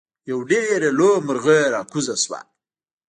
یو ډیر لوی مرغۍ راکوز شو.